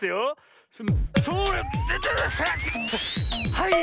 はい！